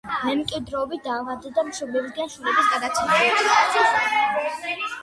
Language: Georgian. მემკვიდრეობითი დაავადება მშობლებისგან შვილებს გადაეცემა.